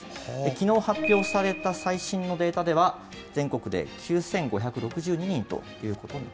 きのう発表された最新のデータでは、全国で９５６２人ということに。